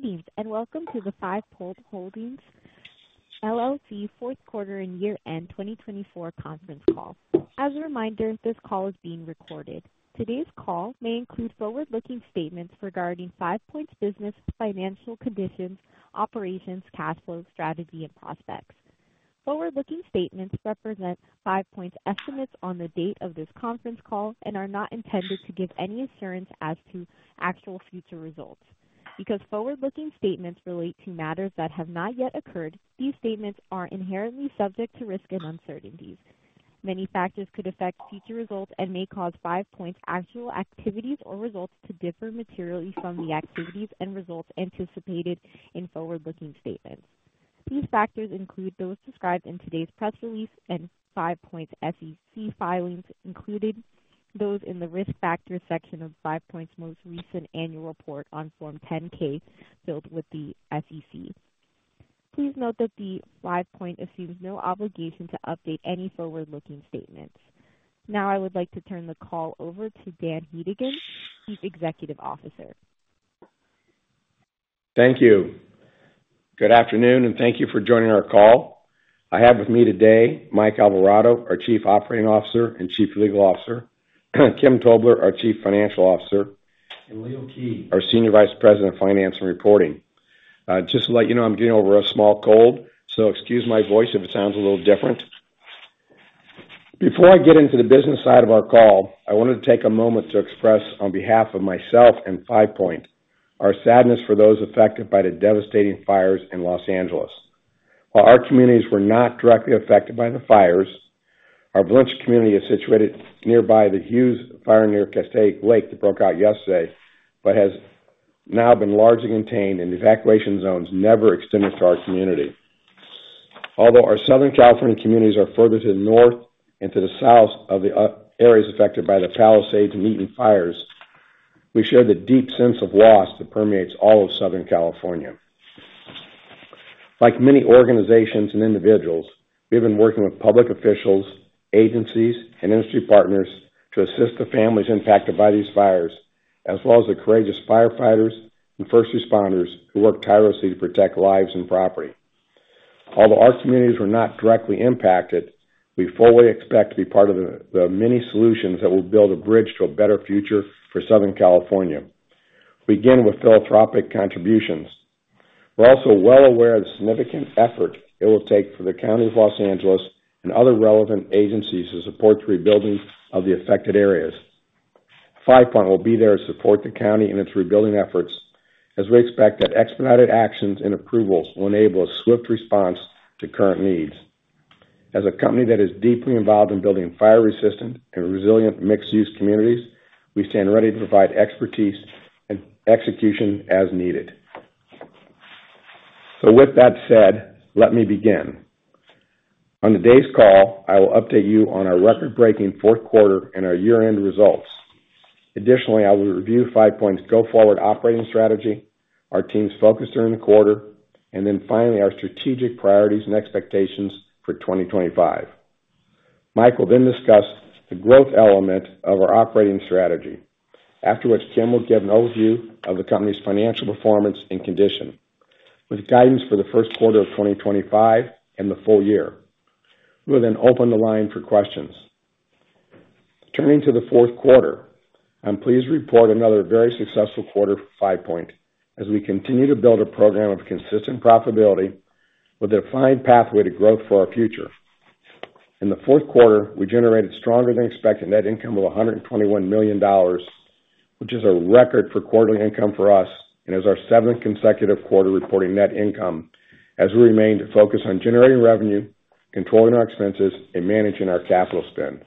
Greetings and welcome to FivePoint Holdings, Q4 and Year-End 2024 Conference Call. As a reminder, this call is being recorded. Today's call may include forward-looking statements regarding FivePoint's business, financial conditions, operations, cash flow, strategy, and prospects. Forward-looking statements FivePoint's estimates on the date of this conference call and are not intended to give any assurance as to actual future results. Because forward-looking statements relate to matters that have not yet occurred, these statements are inherently subject to risk and uncertainties. Many factors could affect future results and may cause FivePoint's actual activities or results to differ materially from the activities and results anticipated in forward-looking statements. These factors include those described in today's press release FivePoint's SEC filings, including those in the risk factors section FivePoint's most recent annual report on Form 10-K filed with the SEC. Please note FivePoint assumes no obligation to update any forward-looking statements. Now, I would like to turn the call over to Dan Hedigan, CEO. Thank you. Good afternoon, and thank you for joining our call. I have with me today Mike Alvarado, our COO and Chief Legal Officer, Kim Tobler, our CFO, and Leo Kij, our SVP of Finance and Reporting. Just to let you know, I'm getting over a small cold, so excuse my voice if it sounds a little different. Before I get into the business side of our call, I wanted to take a moment to express, on behalf of myself FivePoint, our sadness for those affected by the devastating fires in Los Angeles. While our communities were not directly affected by the fires, our Valencia community is situated nearby the Hughes Fire near Castaic Lake that broke out yesterday, but has now been largely contained in evacuation zones never extended to our community. Although our Southern California communities are further to the north and to the south of the areas affected by the Palisades and Mountain Fires, we share the deep sense of loss that permeates all of Southern California. Like many organizations and individuals, we have been working with public officials, agencies, and industry partners to assist the families impacted by these fires, as well as the courageous firefighters and first responders who work tirelessly to protect lives and property. Although our communities were not directly impacted, we fully expect to be part of the many solutions that will build a bridge to a better future for Southern California. We begin with philanthropic contributions. We're also well aware of the significant effort it will take for the County of Los Angeles and other relevant agencies to support the rebuilding of the affected areas. FivePoint will be there to support the County in its rebuilding efforts, as we expect that expedited actions and approvals will enable a swift response to current needs. As a company that is deeply involved in building fire-resistant and resilient mixed-use communities, we stand ready to provide expertise and execution as needed. So, with that said, let me begin. On today's call, I will update you on our Q4 and our year-end results. Additionally, I will FivePoint's go-forward operating strategy, our team's focus during the quarter, and then finally our strategic priorities and expectations for 2025. Mike will then discuss the growth element of our operating strategy, after which Kim will give an overview of the company's financial performance and condition, with guidance for the Q1 of 2025 and the full year. We will then open the line for questions. Turning to Q4, i'm pleased to report another very successful quarter FivePoint, as we continue to build a program of consistent profitability with a defined pathway to growth for our future. In Q4, we generated stronger-than-expected net income of $121 million, which is a record for quarterly income for us and is our seventh consecutive quarter reporting net income, as we remain to focus on generating revenue, controlling our expenses, and managing our capital spend.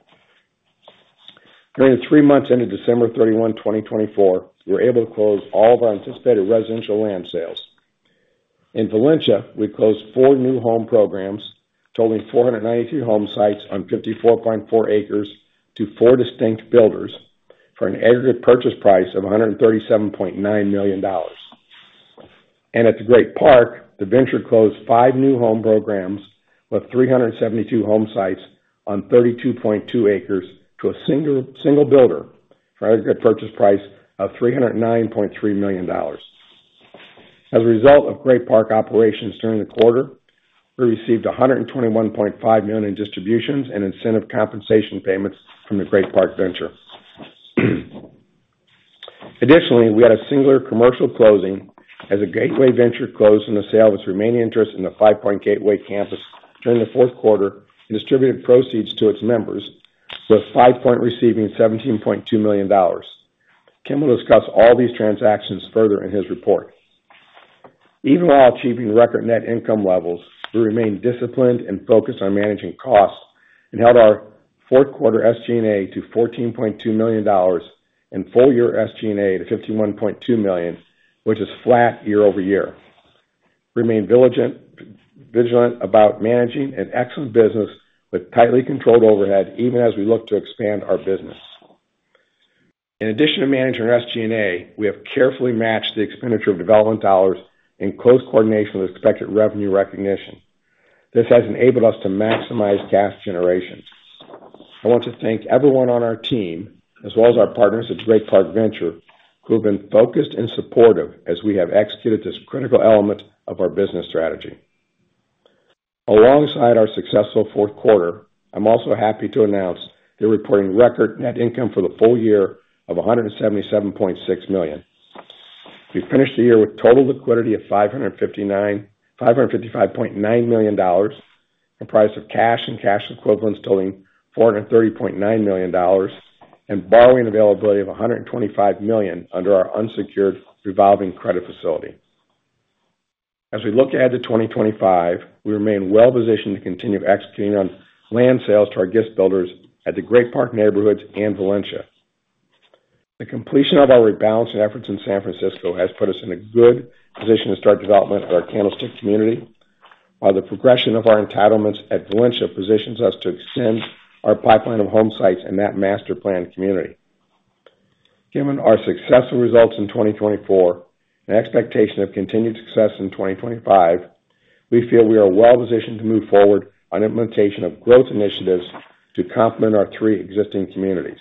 During the three months ended December 31, 2024, we were able to close all of our anticipated residential land sales. In Valencia, we closed four new home programs, totaling 492 home sites on 54.4 acres to four distinct builders for an aggregate purchase price of $137.9 million. At the Great Park, the Venture closed five new home programs with 372 home sites on 32.2 acres to a single builder for an aggregate purchase price of $309.3 million. As a result of Great Park operations during the quarter, we received $121.5 million in distributions and incentive compensation payments from the Great Park Venture. Additionally, we had a singular commercial closing, as the Gateway Venture closed on the sale of its remaining interest in FivePoint Gateway Campus during Q4 and distributed proceeds to its members, FivePoint receiving $17.2 million. Kim will discuss all these transactions further in his report. Even while achieving record net income levels, we remained disciplined and focused on managing costs and held Q4 SG&A to $14.2 million and full-year SG&A to $51.2 million, which is flat year-over-year. We remain vigilant about managing an excellent business with tightly controlled overhead, even as we look to expand our business. In addition to managing our SG&A, we have carefully matched the expenditure of development dollars in close coordination with expected revenue recognition. This has enabled us to maximize cash generation. I want to thank everyone on our team, as well as our partners at the Great Park Venture, who have been focused and supportive as we have executed this critical element of our business strategy. Alongside our Q4, i'm also happy to announce that we're reporting record net income for the full year of $177.6 million. We finished the year with total liquidity of $555.9 million, comprised of cash and cash equivalents totaling $430.9 million, and borrowing availability of $125 million under our unsecured revolving credit facility. As we look ahead to 2025, we remain well-positioned to continue executing on land sales to our guest builders at the Great Park Neighborhoods and Valencia. The completion of our rebalancing efforts in San Francisco has put us in a good position to start development of our Candlestick community, while the progression of our entitlements at Valencia positions us to extend our pipeline of home sites in that master plan community. Given our successful results in 2024 and expectation of continued success in 2025, we feel we are well-positioned to move forward on implementation of growth initiatives to complement our three existing communities.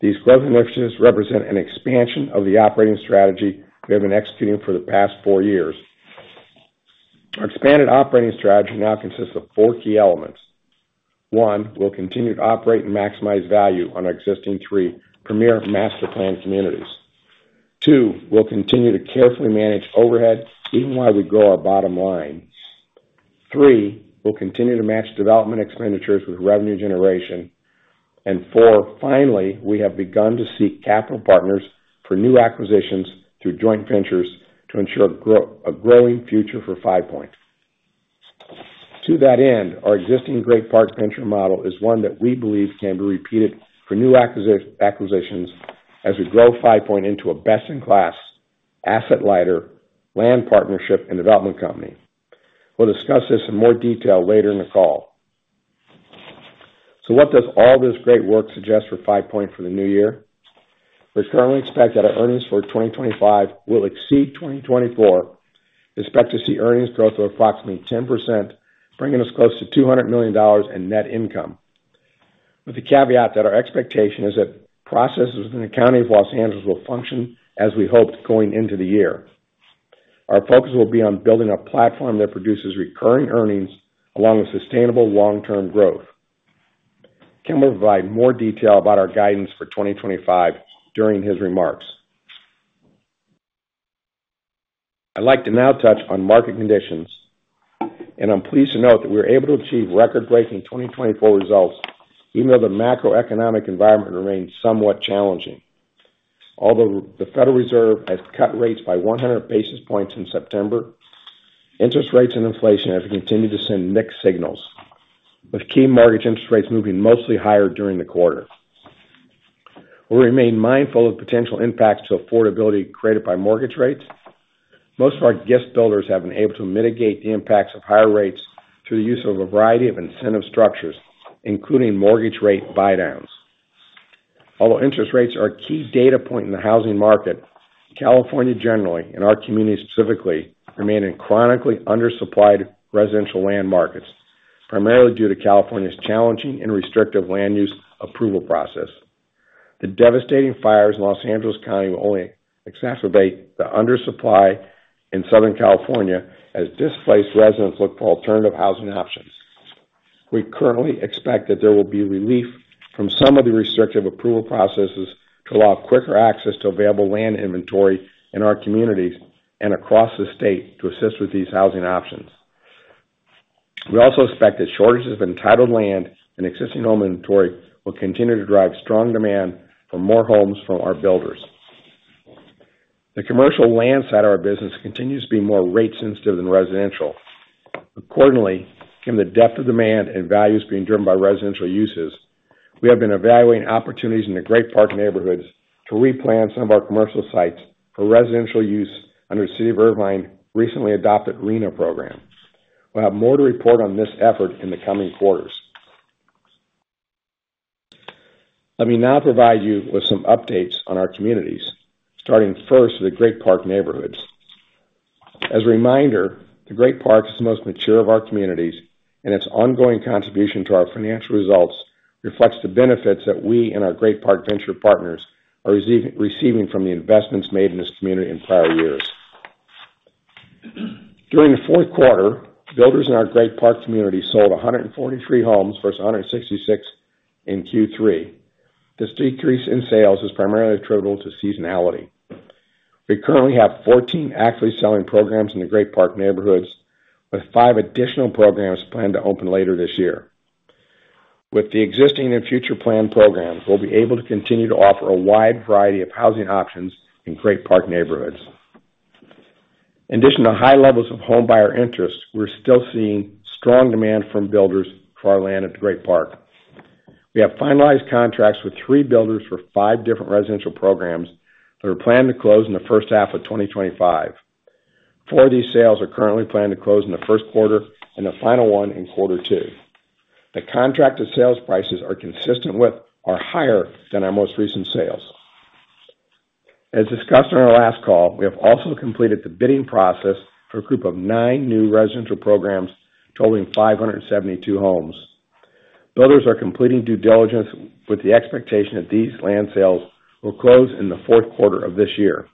These growth initiatives represent an expansion of the operating strategy we have been executing for the past four years. Our expanded operating strategy now consists of four key elements. One, we'll continue to operate and maximize value on our existing three premier master plan communities. Two, we'll continue to carefully manage overhead, even while we grow our bottom line. Three, we'll continue to match development expenditures with revenue generation. And four, finally, we have begun to seek capital partners for new acquisitions through joint Ventures to ensure a growing future FivePoint. to that end, our existing Great Park Venture model is one that we believe can be repeated for new acquisitions as we FivePoint into a best-in-class, asset-lighter land partnership and development company. We'll discuss this in more detail later in the call. So, what does all this great work suggest FivePoint for the new year? We currently expect that our earnings for 2025 will exceed 2024. We expect to see earnings growth of approximately 10%, bringing us close to $200 million in net income, with the caveat that our expectation is that processes within the County of Los Angeles will function as we hoped going into the year. Our focus will be on building a platform that produces recurring earnings along with sustainable long-term growth. Kim will provide more detail about our guidance for 2025 during his remarks. I'd like to now touch on market conditions, and I'm pleased to note that we were able to achieve record-breaking 2024 results even though the macroeconomic environment remains somewhat challenging. Although the Federal Reserve has cut rates by 100 basis points in September, interest rates and inflation have continued to send mixed signals, with key mortgage interest rates moving mostly higher during the quarter. We remain mindful of potential impacts to affordability created by mortgage rates. Most of our guest builders have been able to mitigate the impacts of higher rates through the use of a variety of incentive structures, including mortgage rate buy-downs. Although interest rates are a key data point in the housing market, California generally, and our community specifically, remain in chronically undersupplied residential land markets, primarily due to California's challenging and restrictive land use approval process. The devastating fires in Los Angeles County will only exacerbate the undersupply in Southern California, as displaced residents look for alternative housing options. We currently expect that there will be relief from some of the restrictive approval processes to allow quicker access to available land inventory in our communities and across the state to assist with these housing options. We also expect that shortages of entitled land and existing home inventory will continue to drive strong demand for more homes from our builders. The commercial land side of our business continues to be more rate-sensitive than residential. Accordingly, given the depth of demand and values being driven by residential uses, we have been evaluating opportunities in the Great Park Neighborhoods to replan some of our commercial sites for residential use under the City of Irvine's recently adopted RHNA program. We'll have more to report on this effort in the coming quarters. Let me now provide you with some updates on our communities, starting first with the Great Park Neighborhoods. As a reminder, the Great Park is the most mature of our communities, and its ongoing contribution to our financial results reflects the benefits that we and our Great Park Venture partners are receiving from the investments made in this community in prior years. During Q4, builders in our Great Park community sold 143 homes versus 166 in Q3. This decrease in sales is primarily attributable to seasonality. We currently have 14 actively selling programs in the Great Park Neighborhoods, with five additional programs planned to open later this year. With the existing and future planned programs, we'll be able to continue to offer a wide variety of housing options in Great Park Neighborhoods. In addition to high levels of home buyer interest, we're still seeing strong demand from builders for our land at the Great Park. We have finalized contracts with three builders for five different residential programs that are planned to close in the first half of 2025. Four of these sales are currently planned to close in the Q1 and the final one in Q2. The contracted sales prices are consistent with or higher than our most recent sales. As discussed in our last call, we have also completed the bidding process for a group of nine new residential programs totaling 572 homes. Builders are completing due diligence with the expectation that these land sales will close in Q4 of this year.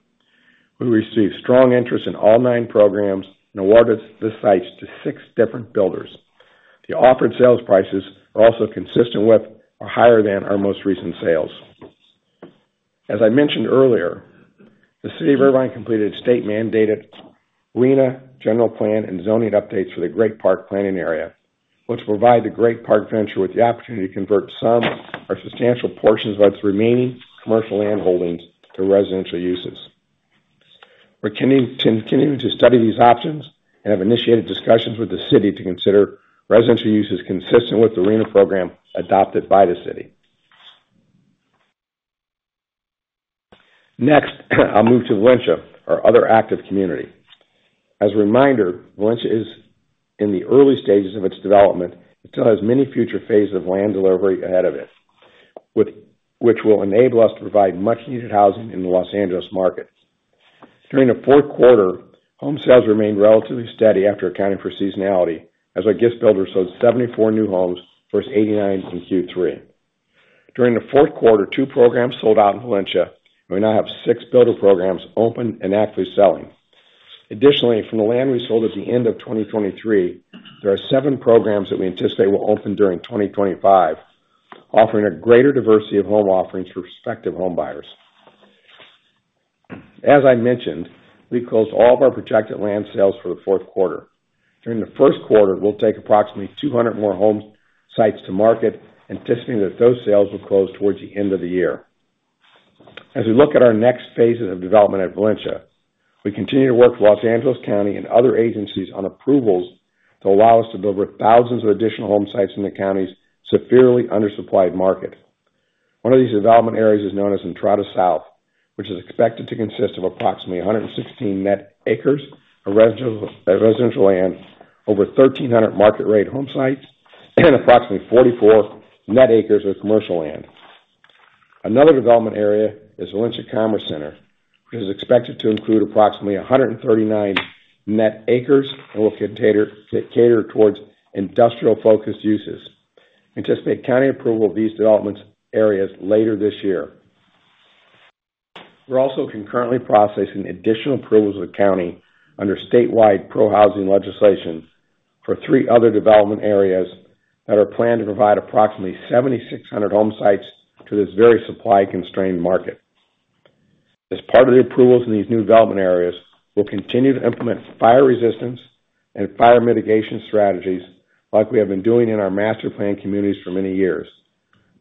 We received strong interest in all nine programs and awarded the sites to six different builders. The offered sales prices are also consistent with or higher than our most recent sales. As I mentioned earlier, the City of Irvine completed state-mandated RHNA, general plan, and zoning updates for the Great Park planning area, which provide the Great Park Venture with the opportunity to convert some or substantial portions of its remaining commercial land holdings to residential uses. We're continuing to study these options and have initiated discussions with the city to consider residential uses consistent with the RHNA program adopted by the city. Next, I'll move to Valencia, our other active community. As a reminder, Valencia is in the early stages of its development and still has many future phases of land delivery ahead of it, which will enable us to provide much-needed housing in the Los Angeles market. During Q4, home sales remained relatively steady after accounting for seasonality, as our guest builders sold 74 new homes versus 89 in Q3. During Q4, two programs sold out in Valencia, and we now have six builder programs open and actively selling. Additionally, from the land we sold at the end of 2023, there are seven programs that we anticipate will open during 2025, offering a greater diversity of home offerings for prospective home buyers. As I mentioned, we closed all of our projected land sales for the Q4. During the Q1, we'll take approximately 200 more home sites to market, anticipating that those sales will close towards the end of the year. As we look at our next phases of development at Valencia, we continue to work with Los Angeles County and other agencies on approvals to allow us to deliver thousands of additional home sites in the county's severely undersupplied market. One of these development areas is known as Entrada South, which is expected to consist of approximately 116 net acres of residential land, over 1,300 market-rate home sites, and approximately 44 net acres of commercial land. Another development area is Valencia Commerce Center, which is expected to include approximately 139 net acres and will cater towards industrial-focused uses. We anticipate county approval of these development areas later this year. We're also concurrently processing additional approvals with the county under statewide pro-housing legislation for three other development areas that are planned to provide approximately 7,600 home sites to this very supply-constrained market. As part of the approvals in these new development areas, we'll continue to implement fire resistance and fire mitigation strategies like we have been doing in our master plan communities for many years.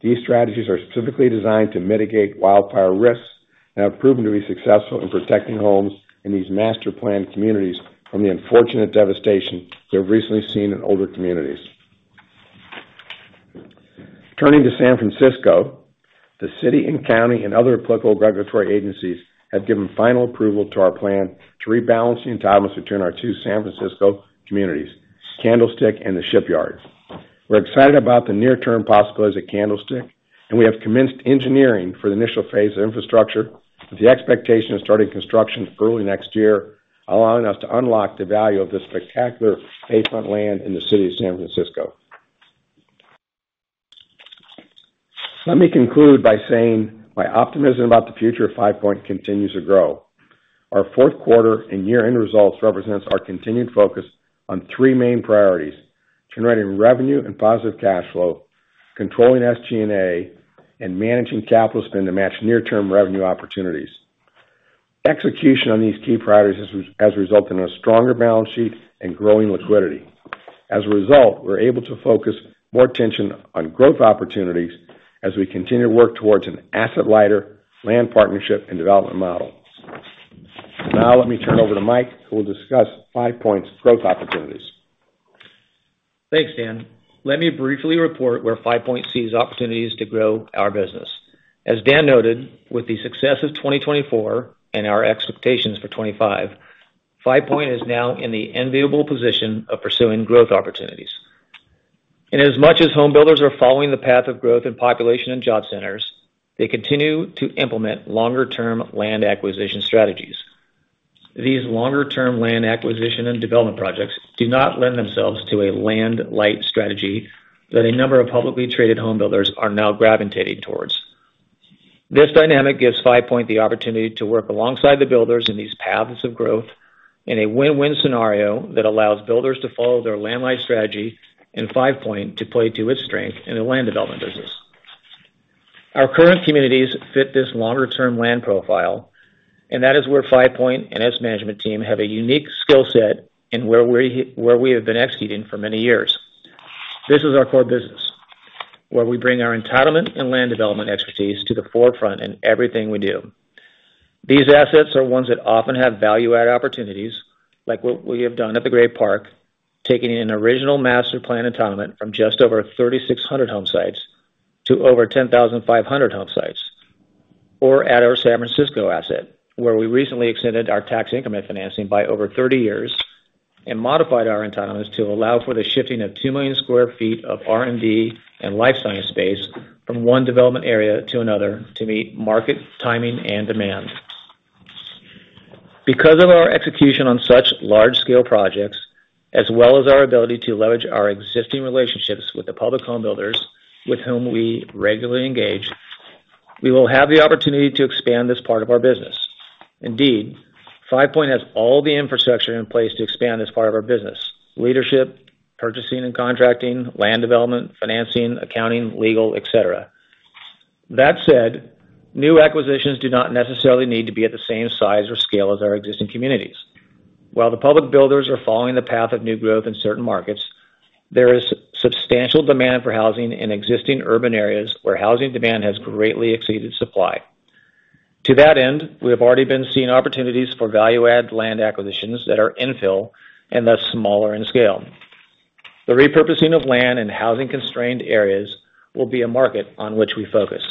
These strategies are specifically designed to mitigate wildfire risks and have proven to be successful in protecting homes in these master plan communities from the unfortunate devastation we have recently seen in older communities. Turning to San Francisco, the city and county and other applicable regulatory agencies have given final approval to our plan to rebalance the entitlements between our two San Francisco communities, Candlestick and the Shipyard. We're excited about the near-term possibilities at Candlestick, and we have commenced engineering for the initial phase of infrastructure, with the expectation of starting construction early next year, allowing us to unlock the value of this spectacular bayfront land in the city of San Francisco. Let me conclude by saying my optimism about the future FivePoint continues to grow. Q4 and year-end results represent our continued focus on three main priorities: generating revenue and positive cash flow, controlling SG&A, and managing capital spend to match near-term revenue opportunities. Execution on these key priorities has resulted in a stronger balance sheet and growing liquidity. As a result, we're able to focus more attention on growth opportunities as we continue to work towards an asset-lighter land partnership and development model. Now, let me turn over to Mike, who will FivePoint's growth opportunities. Thanks, Dan. Let me briefly report FivePoint sees opportunities to grow our business. As Dan noted, with the success of 2024 and our expectations for FivePoint is now in the enviable position of pursuing growth opportunities. Inasmuch as home builders are following the path of growth in population and job centers, they continue to implement longer-term land acquisition strategies. These longer-term land acquisition and development projects do not lend themselves to a land-light strategy that a number of publicly traded home builders are now gravitating towards. This dynamic FivePoint the opportunity to work alongside the builders in these paths of growth in a win-win scenario that allows builders to follow their land-light strategy FivePoint to play to its strength in the land development business. Our current communities fit this longer-term land profile, and that is FivePoint and its management team have a unique skill set in where we have been executing for many years. This is our core business, where we bring our entitlement and land development expertise to the forefront in everything we do. These assets are ones that often have value-add opportunities, like what we have done at the Great Park, taking an original master plan entitlement from just over 3,600 home sites to over 10,500 home sites, or at our San Francisco asset, where we recently extended our tax increment and financing by over 30 years and modified our entitlements to allow for the shifting of 2 million sq ft of R&D and life science space from one development area to another to meet market timing and demand. Because of our execution on such large-scale projects, as well as our ability to leverage our existing relationships with the public home builders with whom we regularly engage, we will have the opportunity to expand this part of our business. FivePoint has all the infrastructure in place to expand this part of our business: Leadership, Purchasing and Contracting, Land Development, Financing, Accounting, Legal, etc. That said, new acquisitions do not necessarily need to be at the same size or scale as our existing communities. While the public builders are following the path of new growth in certain markets, there is substantial demand for housing in existing urban areas where housing demand has greatly exceeded supply. To that end, we have already been seeing opportunities for value-add land acquisitions that are infill and thus smaller in scale. The repurposing of land in housing-constrained areas will be a market on which we focus.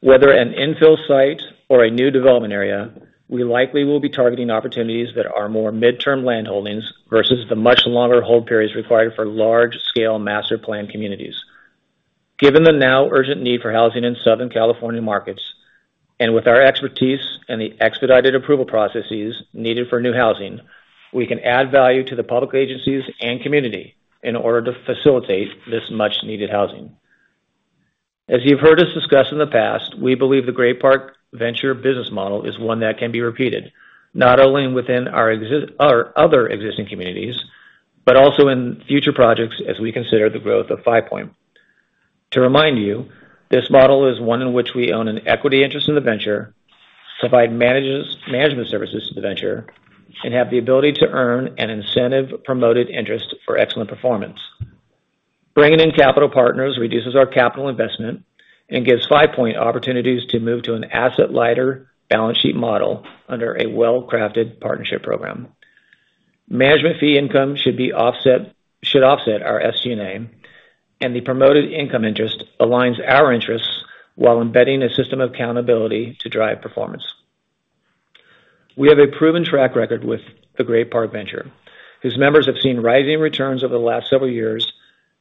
Whether an infill site or a new development area, we likely will be targeting opportunities that are more midterm land holdings versus the much longer hold periods required for large-scale master plan communities. Given the now urgent need for housing in Southern California markets, and with our expertise and the expedited approval processes needed for new housing, we can add value to the public agencies and community in order to facilitate this much-needed housing. As you've heard us discuss in the past, we believe the Great Park Venture business model is one that can be repeated, not only within our other existing communities, but also in future projects as we consider the growth of FivePoint. To remind you, this model is one in which we own an equity interest in the Venture, provide management services to the Venture, and have the ability to earn an incentive-promoted interest for excellent performance. Bringing in capital partners reduces our capital investment and FivePoint opportunities to move to an asset-lighter balance sheet model under a well-crafted partnership program. Management fee income should offset our SG&A, and the promoted income interest aligns our interests while embedding a system of accountability to drive performance. We have a proven track record with the Great Park Venture, whose members have seen rising returns over the last several years,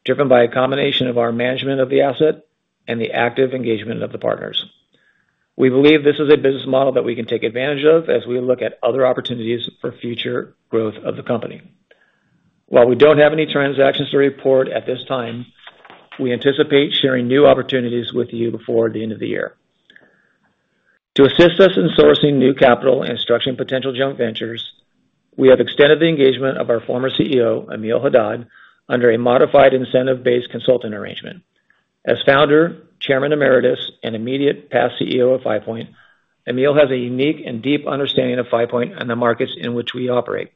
driven by a combination of our management of the asset and the active engagement of the partners. We believe this is a business model that we can take advantage of as we look at other opportunities for future growth of the company. While we don't have any transactions to report at this time, we anticipate sharing new opportunities with you before the end of the year. To assist us in sourcing new capital and structuring potential joint Ventures, we have extended the engagement of our former CEO, Emile Haddad, under a modified incentive-based consultant arrangement. As Founder, Chairman Emeritus, and immediate past CEO FivePoint, Emile has a unique and deep understanding of FivePoint and the markets in which we operate.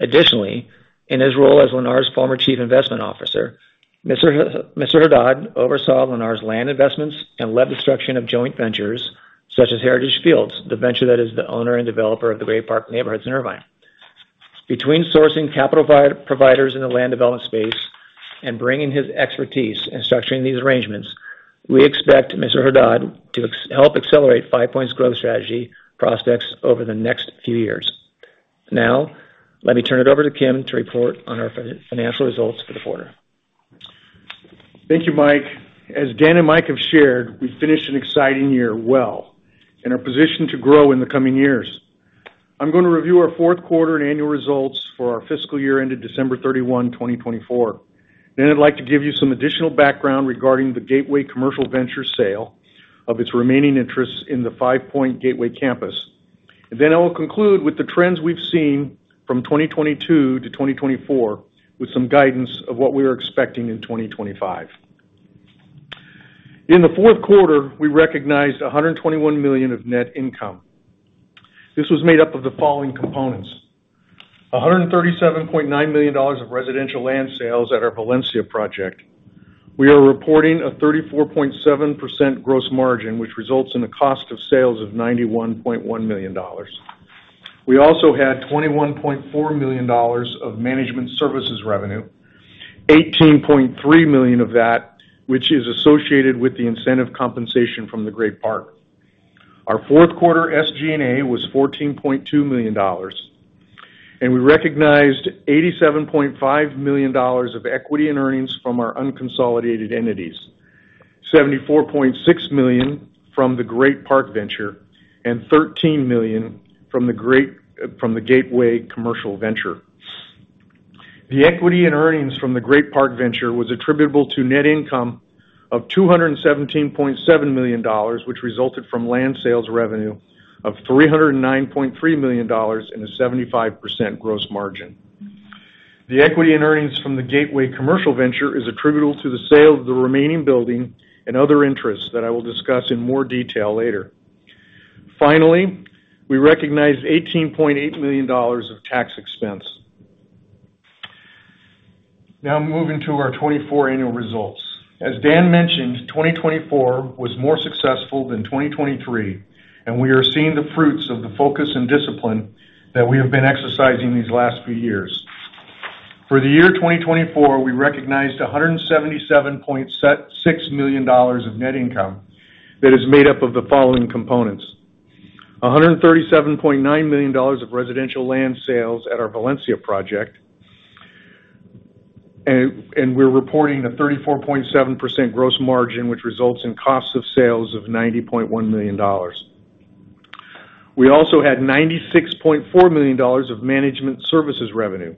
Additionally, in his role as Lennar's former Chief Investment Officer, Mr. Haddad oversaw Lennar's land investments and led the structure of joint Ventures such as Heritage Fields, the Venture that is the owner and developer of the Great Park Neighborhoods in Irvine. Between sourcing capital providers in the land development space and bringing his expertise and structuring these arrangements, we expect Mr. Haddad to help FivePoint's growth strategy prospects over the next few years. Now, let me turn it over to Kim to report on our financial results for the quarter. Thank you, Mike. As Dan and Mike have shared, we've finished an exciting year well and are positioned to grow in the coming years. I'm going to review Q4 and annual results for our fiscal year ended December 31, 2024. Then I'd like to give you some additional background regarding the Gateway Commercial Venture sale of its remaining interests in FivePoint Gateway Campus, and then I will conclude with the trends we've seen from 2022 to 2024, with some guidance of what we are expecting in 2025. In Q4, we recognized $121 million of net income. This was made up of the following components: $137.9 million of residential land sales at our Valencia project. We are reporting a 34.7% gross margin, which results in a cost of sales of $91.1 million. We also had $21.4 million of management services revenue, $18.3 million of that, which is associated with the incentive compensation from the Great Park. Q4 SG&A was $14.2 million, and we recognized $87.5 million of equity and earnings from our unconsolidated entities, $74.6 million from the Great Park Venture, and $13 million from the Gateway Commercial Venture. The equity and earnings from the Great Park Venture was attributable to net income of $217.7 million, which resulted from land sales revenue of $309.3 million and a 75% gross margin. The equity and earnings from the Gateway Commercial Venture is attributable to the sale of the remaining building and other interests that I will discuss in more detail later. Finally, we recognized $18.8 million of tax expense. Now, moving to our 2024 annual results. As Dan mentioned, 2024 was more successful than 2023, and we are seeing the fruits of the focus and discipline that we have been exercising these last few years. For the year 2024, we recognized $177.6 million of net income that is made up of the following components: $137.9 million of residential land sales at our Valencia project, and we're reporting a 34.7% gross margin, which results in costs of sales of $90.1 million. We also had $96.4 million of management services revenue,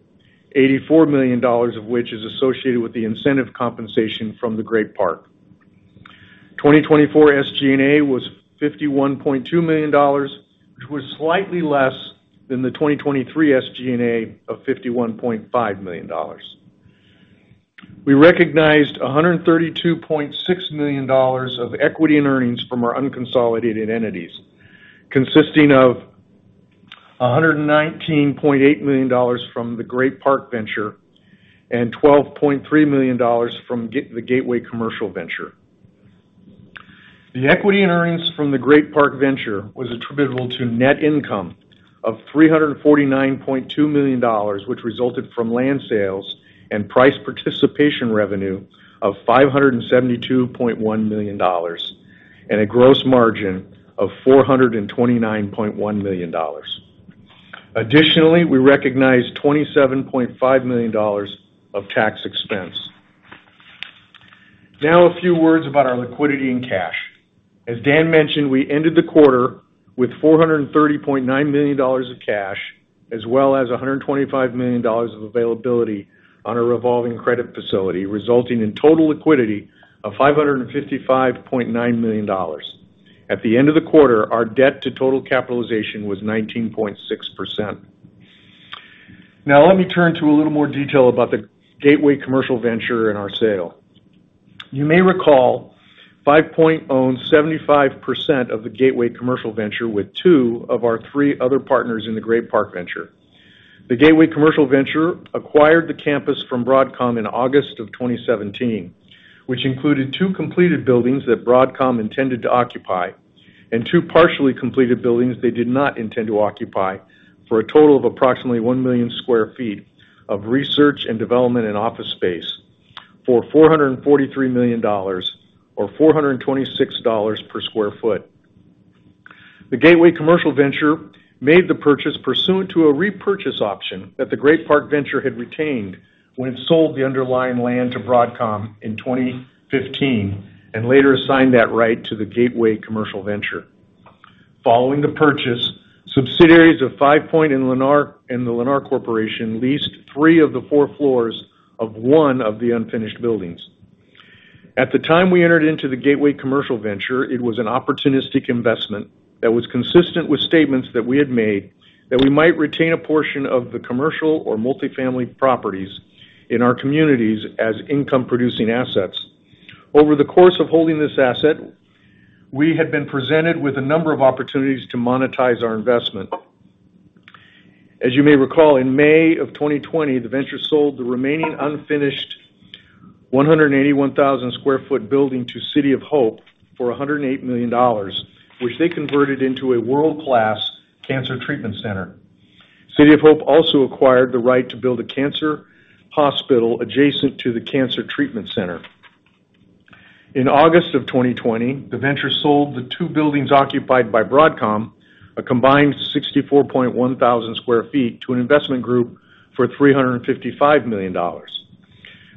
$84 million of which is associated with the incentive compensation from the Great Park. 2024 SG&A was $51.2 million, which was slightly less than the 2023 SG&A of $51.5 million. We recognized $132.6 million of equity and earnings from our unconsolidated entities, consisting of $119.8 million from the Great Park Venture and $12.3 million from the Gateway Commercial Venture. The equity and earnings from the Great Park Venture was attributable to net income of $349.2 million, which resulted from land sales and price participation revenue of $572.1 million and a gross margin of $429.1 million. Additionally, we recognized $27.5 million of tax expense. Now, a few words about our liquidity and cash. As Dan mentioned, we ended the quarter with $430.9 million of cash, as well as $125 million of availability on a revolving credit facility, resulting in total liquidity of $555.9 million. At the end of the quarter, our debt-to-total capitalization was 19.6%. Now, let me turn to a little more detail about the Gateway Commercial Venture and our sale. You may recall FivePoint owned 75% of the Gateway Commercial Venture with two of our three other partners in the Great Park Venture. The Gateway Commercial Venture acquired the campus from Broadcom in August of 2017, which included two completed buildings that Broadcom intended to occupy and two partially completed buildings they did not intend to occupy for a total of approximately 1 million sq ft of research and development and office space for $443 million, or $426 per sq ft. The Gateway Commercial Venture made the purchase pursuant to a repurchase option that the Great Park Venture had retained when it sold the underlying land to Broadcom in 2015 and later assigned that right to the Gateway Commercial Venture. Following the purchase, subsidiaries of FivePoint and the Lennar Corporation leased three of the four floors of one of the unfinished buildings. At the time we entered into the Gateway Commercial Venture, it was an opportunistic investment that was consistent with statements that we had made that we might retain a portion of the commercial or multifamily properties in our communities as income-producing assets. Over the course of holding this asset, we had been presented with a number of opportunities to monetize our investment. As you may recall, in May of 2020, the Venture sold the remaining unfinished 181,000 sq ft building to City of Hope for $108 million, which they converted into a world-class cancer treatment center. City of Hope also acquired the right to build a cancer hospital adjacent to the cancer treatment center. In August of 2020, the Venture sold the two buildings occupied by Broadcom, a combined 64,100 sq ft, to an investment group for $355 million.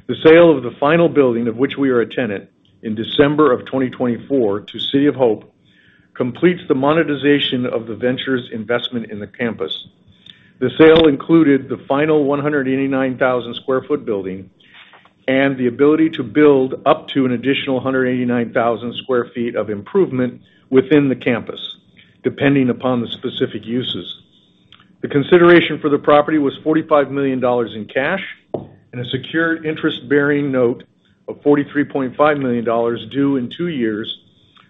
The sale of the final building, of which we are a tenant in December of 2024, to City of Hope completes the monetization of the Venture's investment in the campus. The sale included the final 189,000 sq ft building and the ability to build up to an additional 189,000 sq ft of improvement within the campus, depending upon the specific uses. The consideration for the property was $45 million in cash and a secured interest-bearing note of $43.5 million due in two years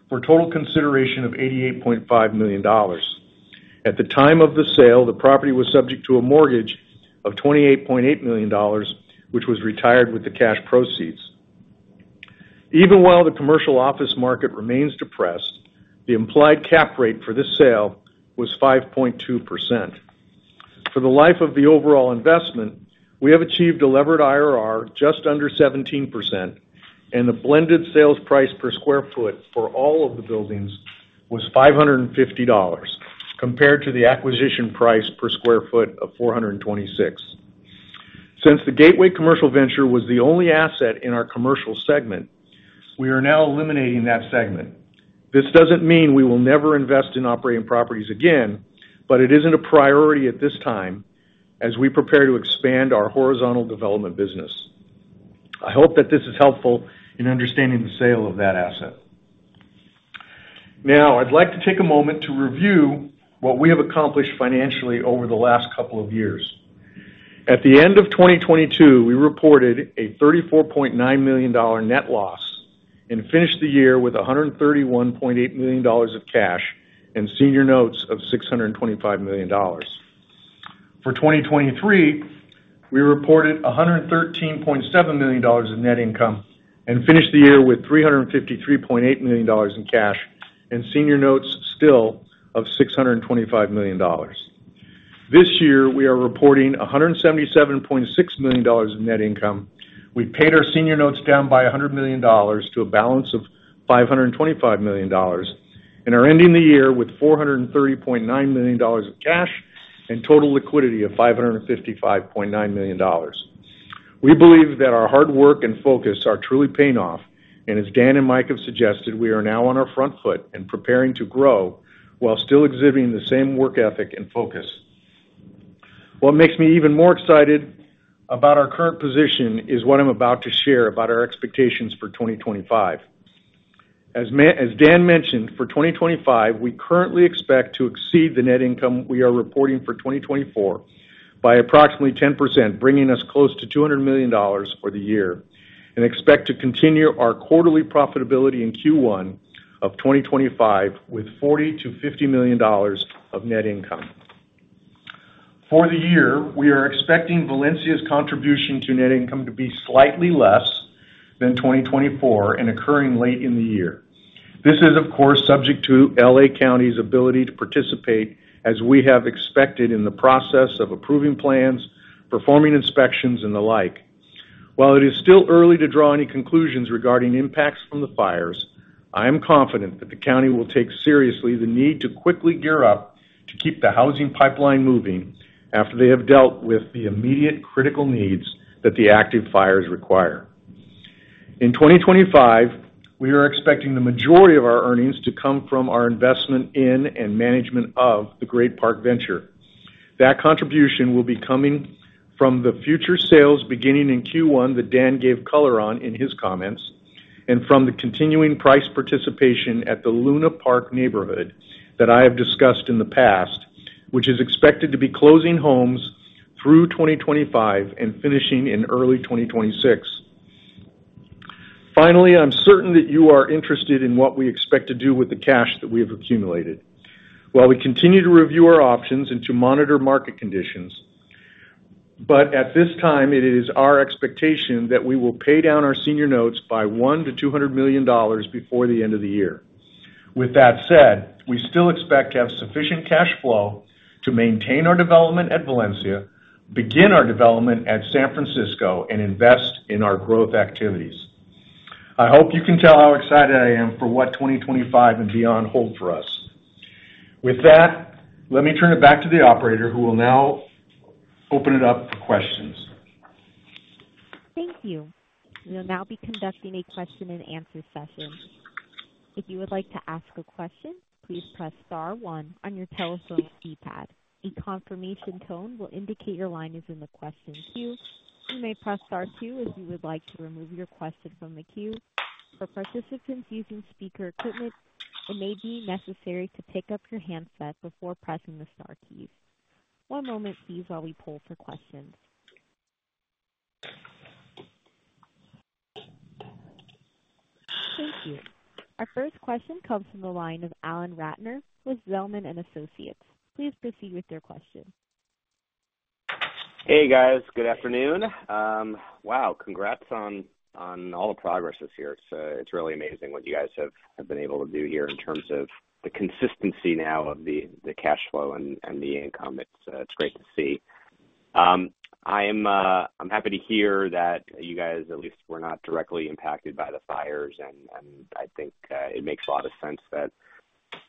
for a total consideration of $88.5 million. At the time of the sale, the property was subject to a mortgage of $28.8 million, which was retired with the cash proceeds. Even while the commercial office market remains depressed, the implied cap rate for this sale was 5.2%. For the life of the overall investment, we have achieved a levered IRR just under 17%, and the blended sales price per square foot for all of the buildings was $550, compared to the acquisition price per square foot of $426. Since the Gateway Commercial Venture was the only asset in our commercial segment, we are now eliminating that segment. This doesn't mean we will never invest in operating properties again, but it isn't a priority at this time as we prepare to expand our horizontal development business. I hope that this is helpful in understanding the sale of that asset. Now, I'd like to take a moment to review what we have accomplished financially over the last couple of years. At the end of 2022, we reported a $34.9 million net loss and finished the year with $131.8 million of cash and senior notes of $625 million. For 2023, we reported $113.7 million of net income and finished the year with $353.8 million in cash and senior notes still of $625 million. This year, we are reporting $177.6 million of net income. We paid our senior notes down by $100 million to a balance of $525 million and are ending the year with $430.9 million of cash and total liquidity of $555.9 million. We believe that our hard work and focus are truly paying off, and as Dan and Mike have suggested, we are now on our front foot and preparing to grow while still exhibiting the same work ethic and focus. What makes me even more excited about our current position is what I'm about to share about our expectations for 2025. As Dan mentioned, for 2025, we currently expect to exceed the net income we are reporting for 2024 by approximately 10%, bringing us close to $200 million for the year, and expect to continue our quarterly profitability in Q1 of 2025 with $40 million-$50 million of net income. For the year, we are expecting Valencia's contribution to net income to be slightly less than 2024 and occurring late in the year. This is, of course, subject to L.A. County's ability to participate, as we have expected in the process of approving plans, performing inspections, and the like. While it is still early to draw any conclusions regarding impacts from the fires, I am confident that the county will take seriously the need to quickly gear up to keep the housing pipeline moving after they have dealt with the immediate critical needs that the active fires require. In 2025, we are expecting the majority of our earnings to come from our investment in and management of the Great Park Venture. That contribution will be coming from the future sales beginning in Q1 that Dan gave color on in his comments and from the continuing price participation at the Luna Park neighborhood that I have discussed in the past, which is expected to be closing homes through 2025 and finishing in early 2026. Finally, I'm certain that you are interested in what we expect to do with the cash that we have accumulated while we continue to review our options and to monitor market conditions. But at this time, it is our expectation that we will pay down our senior notes by $1 million-$200 million before the end of the year. With that said, we still expect to have sufficient cash flow to maintain our development at Valencia, begin our development at San Francisco, and invest in our growth activities. I hope you can tell how excited I am for what 2025 and beyond holds for us. With that, let me turn it back to the operator, who will now open it up for questions. Thank you. We'll now be conducting a question-and-answer session. If you would like to ask a question, please press star one on your telephone keypad. A confirmation tone will indicate your line is in the question queue. You may press star two if you would like to remove your question from the queue. For participants using speaker equipment, it may be necessary to pick up your handset before pressing the star keys. One moment, please, while we pull for questions. Thank you. Our first question comes from the line of Alan Ratner with Zelman & Associates. Please proceed with your question. Hey, guys. Good afternoon. Wow, congrats on all the progress this year. It's really amazing what you guys have been able to do here in terms of the consistency now of the cash flow and the income. It's great to see. I'm happy to hear that you guys at least were not directly impacted by the fires, and I think it makes a lot of sense that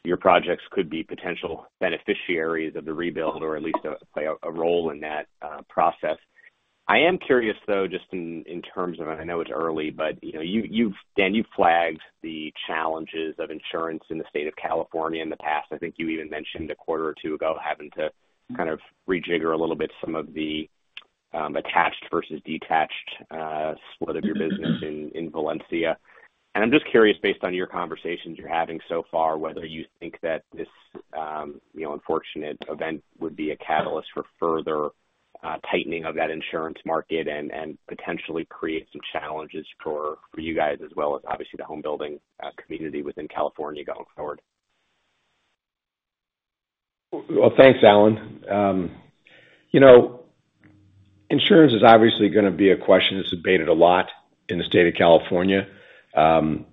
your projects could be potential beneficiaries of the rebuild or at least play a role in that process. I am curious, though, just in terms of, and I know it's early, but, Dan, you've flagged the challenges of insurance in the state of California in the past. I think you even mentioned a quarter or two ago having to kind of rejigger a little bit some of the attached versus detached split of your business in Valencia. And I'm just curious, based on your conversations you're having so far, whether you think that this unfortunate event would be a catalyst for further tightening of that insurance market and potentially create some challenges for you guys, as well as, obviously, the home-building community within California going forward. Well, thanks, Alan. Insurance is obviously going to be a question that's debated a lot in the state of California and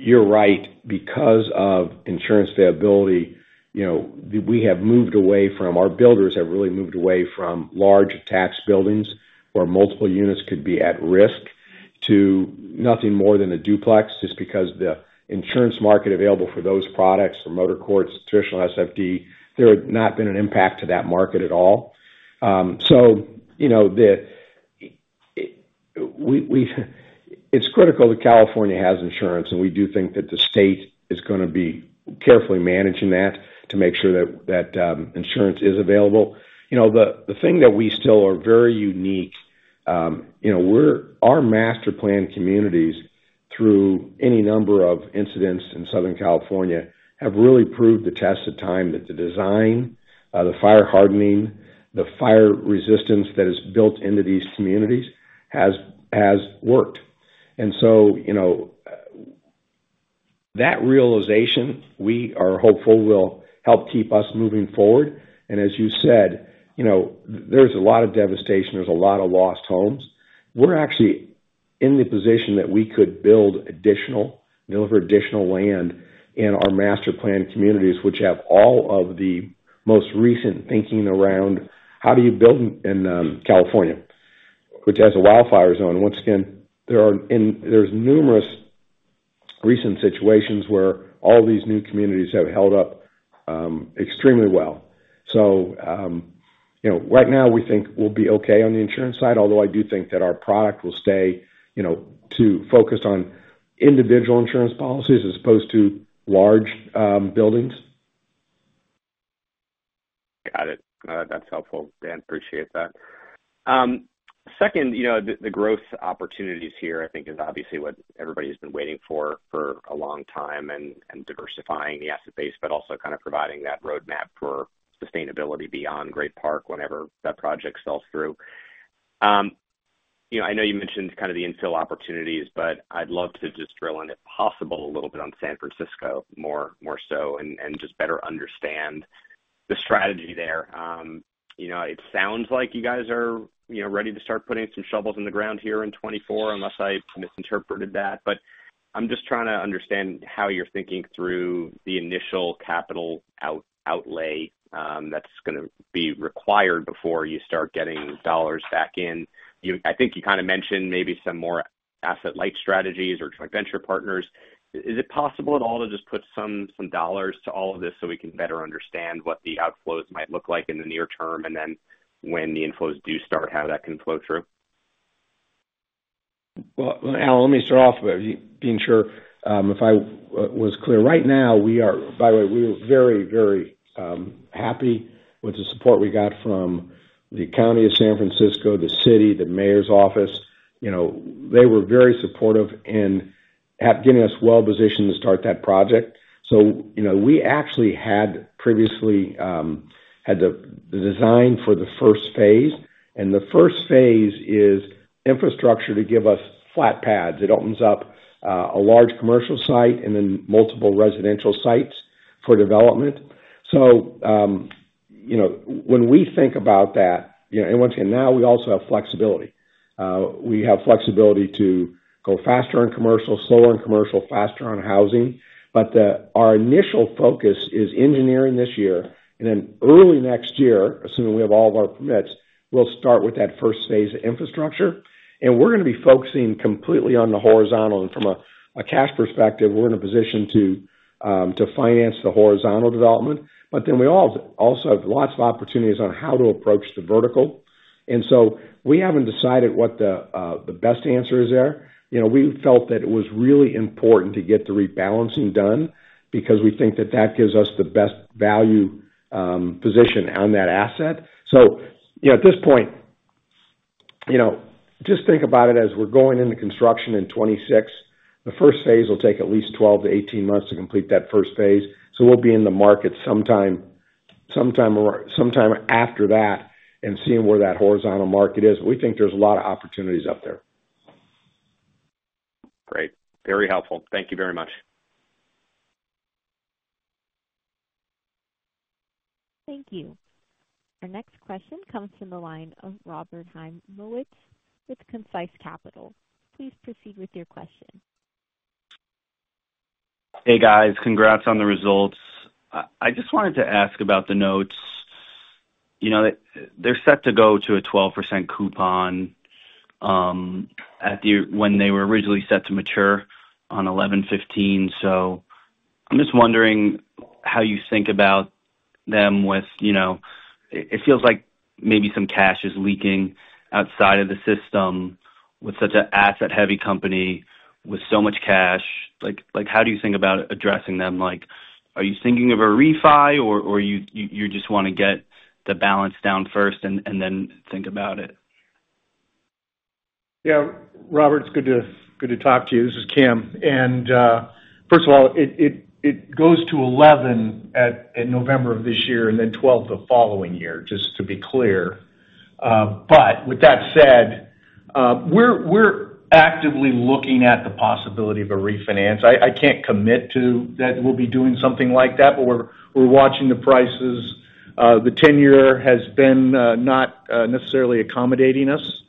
you're right. Because of insurance viability, we have moved away from our builders have really moved away from large attached buildings where multiple units could be at risk to nothing more than a duplex, just because the insurance market available for those products, for motor courts, traditional SFD, there had not been an impact to that market at all. So it's critical that California has insurance, and we do think that the state is going to be carefully managing that to make sure that insurance is available. The thing that we still are very unique our master plan communities, through any number of incidents in Southern California, have really proved the test of time that the design, the fire hardening, the fire resistance that is built into these communities has worked, and so that realization, we are hopeful, will help keep us moving forward, and as you said, there's a lot of devastation. There's a lot of lost homes. We're actually in the position that we could build additional, deliver additional land in our master plan communities, which have all of the most recent thinking around how do you build in California, which has a wildfire zone. Once again, there's numerous recent situations where all these new communities have held up extremely well. So right now, we think we'll be okay on the insurance side, although I do think that our product will stay too focused on individual insurance policies as opposed to large buildings. Got it. That's helpful. Dan, appreciate that. Second, the growth opportunities here, I think, is obviously what everybody's been waiting for a long time and diversifying the asset base, but also kind of providing that roadmap for sustainability beyond Great Park whenever that project falls through. I know you mentioned kind of the infill opportunities, but I'd love to just drill in, if possible, a little bit on San Francisco more so and just better understand the strategy there. It sounds like you guys are ready to start putting some shovels in the ground here in 2024, unless I misinterpreted that. But I'm just trying to understand how you're thinking through the initial capital outlay that's going to be required before you start getting dollars back in. I think you kind of mentioned maybe some more asset-light strategies or Venture partners. Is it possible at all to just put some dollars to all of this so we can better understand what the outflows might look like in the near term and then when the inflows do start, how that can flow through? Well, Alan, let me start off by being sure if I was clear. Right now, by the way, we were very, very happy with the support we got from the County of San Francisco, the city, the mayor's office. They were very supportive in getting us well-positioned to start that project, so we actually had previously had the design for the first phase, and the first phase is infrastructure to give us flat pads. It opens up a large commercial site and then multiple residential sites for development, so when we think about that, and once again, now we also have flexibility. We have flexibility to go faster in commercial, slower in commercial, faster on housing, but our initial focus is engineering this year, and then early next year, assuming we have all of our permits, we'll start with that first phase of infrastructure, and we're going to be focusing completely on the horizontal. From a cash perspective, we're in a position to finance the horizontal development. But then we also have lots of opportunities on how to approach the vertical. And so we haven't decided what the best answer is there. We felt that it was really important to get the rebalancing done because we think that that gives us the best value position on that asset. So at this point, just think about it as we're going into construction in 2026. The first phase will take at least 12-18 months to complete that first phase. So we'll be in the market sometime after that and seeing where that horizontal market is. We think there's a lot of opportunities up there. Great. Very helpful. Thank you very much. Thank you. Our next question comes from the line of Robert Heimowitz with Concise Capital. Please proceed with your question. Hey, guys. Congrats on the results. I just wanted to ask about the notes. They're set to go to a 12% coupon when they were originally set to mature on 11/15. So I'm just wondering how you think about them with it feels like maybe some cash is leaking outside of the system with such an asset-heavy company with so much cash. How do you think about addressing them? Are you thinking of a refi, or you just want to get the balance down first and then think about it? Yeah. Robert, it's good to talk to you. This is Kim. And first of all, it goes to 11% in November of this year and then 12% the following year, just to be clear. But with that said, we're actively looking at the possibility of a refinance. I can't commit to that we'll be doing something like that, but we're watching the prices. The ten-year has been not necessarily accommodating us.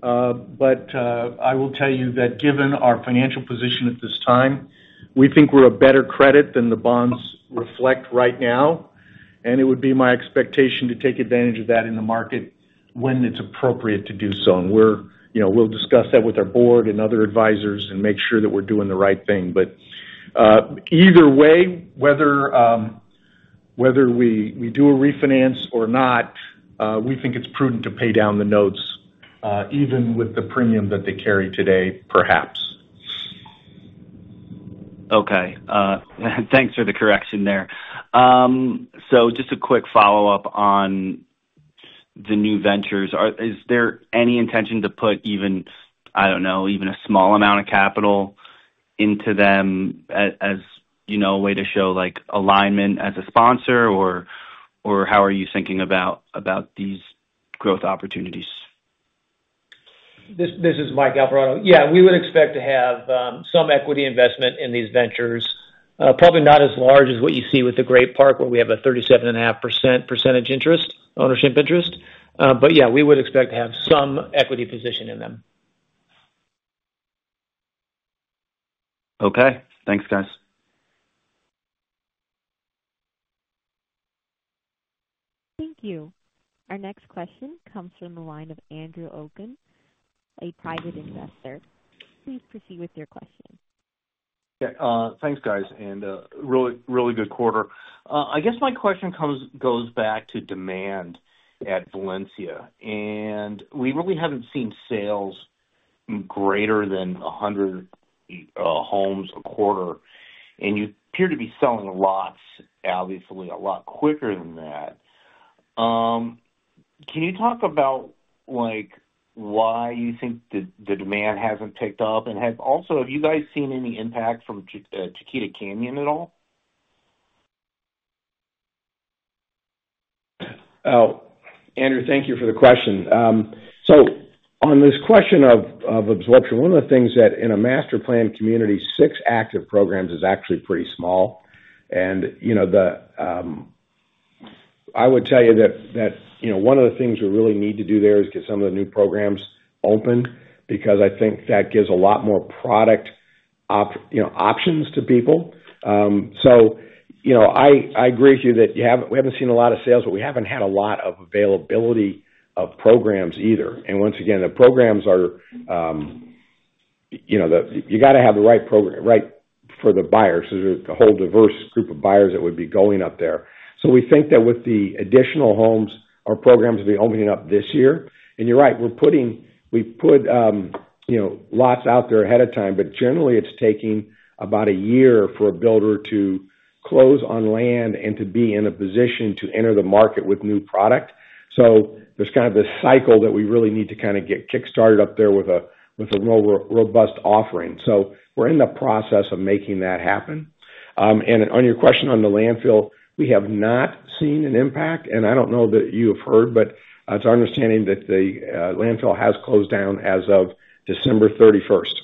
But I will tell you that given our financial position at this time, we think we're a better credit than the bonds reflect right now. And it would be my expectation to take advantage of that in the market when it's appropriate to do so. And we'll discuss that with our board and other advisors and make sure that we're doing the right thing. But either way, whether we do a refinance or not, we think it's prudent to pay down the notes, even with the premium that they carry today, perhaps. Okay. Thanks for the correction there. So just a quick follow-up on the new ventures. Is there any intention to put, I don't know, even a small amount of capital into them as a way to show alignment as a sponsor, or how are you thinking about these growth opportunities? This is Mike Alvarado. Yeah. We would expect to have some equity investment in these ventures, probably not as large as what you see with the Great Park where we have a 37.5% percentage interest, ownership interest. But yeah, we would expect to have some equity position in them. Okay. Thanks, guys. Thank you. Our next question comes from the line of Andrew O'Kane, a private investor. Please proceed with your question. Thanks, guys, and really good quarter. I guess my question goes back to demand at Valencia. We really haven't seen sales greater than 100 homes a quarter. You appear to be selling lots, obviously, a lot quicker than that. Can you talk about why you think the demand hasn't picked up? And have you guys seen any impact from Chiquita Canyon at all? Oh, Andrew, thank you for the question. So on this question of absorption, one of the things that in a master plan community, six active programs is actually pretty small. And I would tell you that one of the things we really need to do there is get some of the new programs open because I think that gives a lot more product options to people. So I agree with you that we haven't seen a lot of sales, but we haven't had a lot of availability of programs either. And once again, the programs are you got to have the right for the buyers because there's a whole diverse group of buyers that would be going up there. So we think that with the additional homes, our programs will be opening up this year. And you're right. We put lots out there ahead of time, but generally, it's taking about a year for a builder to close on land and to be in a position to enter the market with new product. So there's kind of this cycle that we really need to kind of get kickstarted up there with a more robust offering. So we're in the process of making that happen. And on your question on the landfill, we have not seen an impact. And I don't know that you have heard, but it's our understanding that the landfill has closed down as of December 31st.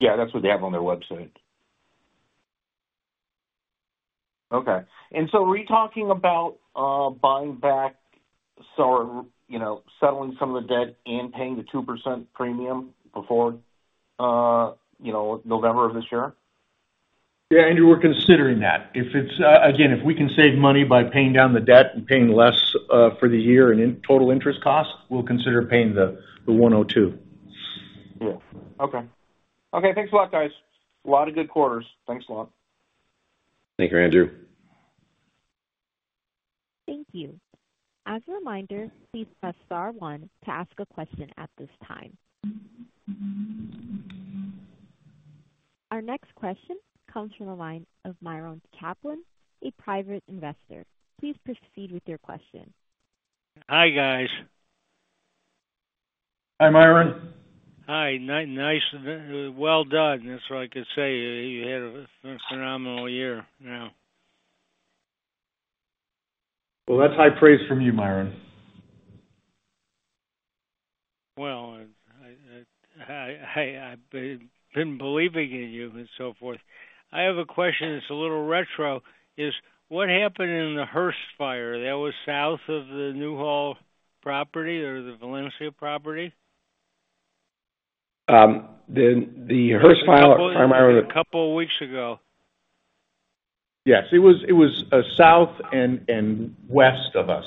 Yeah. That's what they have on their website. Okay. And so are you talking about buying back, settling some of the debt, and paying the 2% premium before November of this year? Yeah. Andrew, we're considering that. Again, if we can save money by paying down the debt and paying less for the year in total interest cost, we'll consider paying the 102. Yeah. Okay. Okay. Thanks a lot, guys. A lot of good quarters. Thanks a lot. Thank you, Andrew. Thank you. As a reminder, please press star one to ask a question at this time. Our next question comes from the line of Myron Kaplan, a private investor. Please proceed with your question. Hi, guys. Hi, Myron. Hi. Nice. Well done. That's all I could say. You had a phenomenal year now. Well, that's high praise from you, Myron. Well, I've been believing in you and so forth. I have a question that's a little retro. What happened in the Holser Fire? That was south of the Newhall property or the Valencia property? The Holser Fire, Myron. A couple of weeks ago. Yes. It was South and West of us.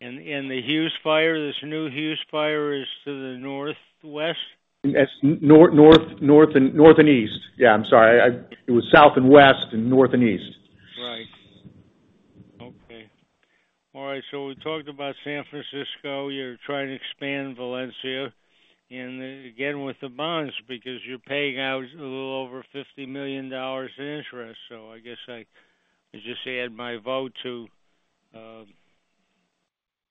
And the Hughes Fire, this new Hughes Fire, is to the Northwest? North and East. Yeah. I'm sorry. It was South and West and North and East. Right. Okay. All right, so we talked about San Francisco. You're trying to expand Valencia and again with the bonds because you're paying out a little over $50 million in interest, so I guess I just add my vote to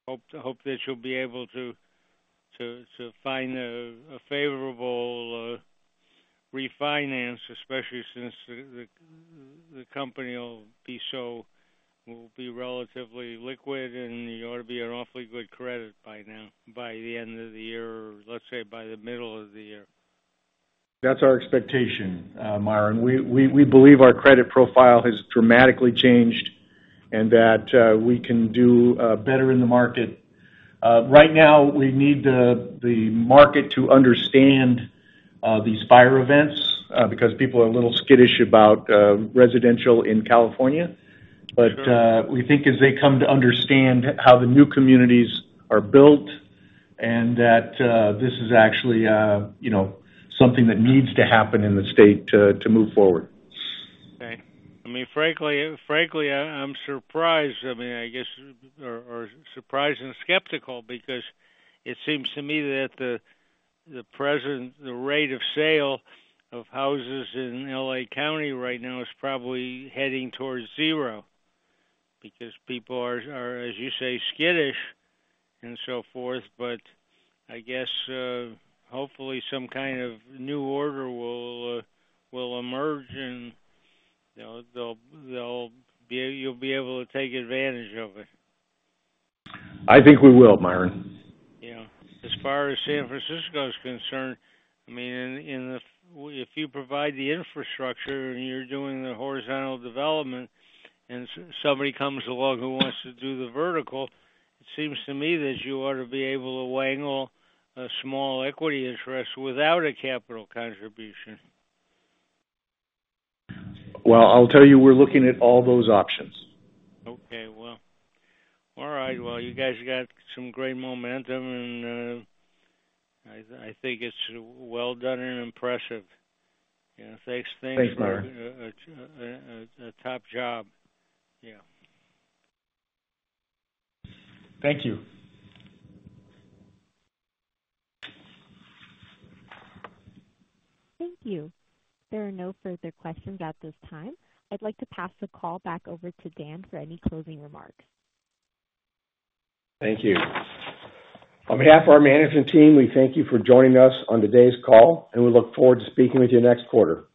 hope that you'll be able to find a favorable refinance, especially since the company will be relatively liquid and you ought to be an awfully good credit by the end of the year, let's say by the middle of the year. That's our expectation, Myron. We believe our credit profile has dramatically changed and that we can do better in the market. Right now, we need the market to understand these fire events because people are a little skittish about residential in California, but we think as they come to understand how the new communities are built and that this is actually something that needs to happen in the state to move forward. Okay. I mean, frankly, I'm surprised. I mean, I guess or surprised and skeptical because it seems to me that the rate of sale of houses in L.A. County right now is probably heading towards zero because people are, as you say, skittish and so forth, but I guess hopefully some kind of new order will emerge and you'll be able to take advantage of it. I think we will, Myron. Yeah. As far as San Francisco is concerned, I mean, if you provide the infrastructure and you're doing the horizontal development and somebody comes along who wants to do the vertical, it seems to me that you ought to be able to wangle a small equity interest without a capital contribution. Well, I'll tell you, we're looking at all those options. Okay. Well, all right. Well, you guys got some great momentum and I think it's well done and impressive. Thanks. Thanks, Myron. A top job. Yeah. Thank you. Thank you. There are no further questions at this time. I'd like to pass the call back over to Dan for any closing remarks. Thank you. On behalf of our management team, we thank you for joining us on today's call, and we look forward to speaking with you next quarter.